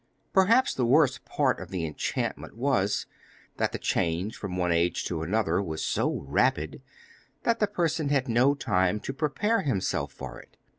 Perhaps the worst part of the enchantment was, that the change from one age to another was so rapid that the person had no time to prepare himself for it.